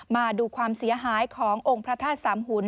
มาดูความเสียหายขององค์พระธาตุสามหุ่น